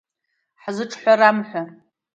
Ҳзыҿҳәарам ҳәа…